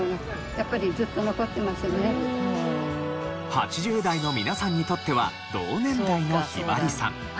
８０代の皆さんにとっては同年代のひばりさん。